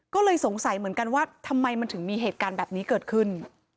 ก็เลยสงสัยเหมือนกันว่าทำไมมันถึงมีเหตุการณ์แบบนี้เกิดขึ้น